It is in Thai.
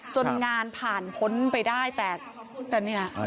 จนงานผ่านพ้นไปได้แต่เนี่ย